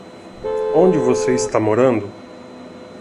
Onde você está morando?